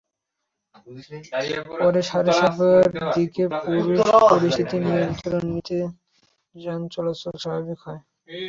পরে সাড়ে সাতটার দিকে পুলিশ পরিস্থিতির নিয়ন্ত্রণ নিলে যান চলাচল স্বাভাবিক হয়।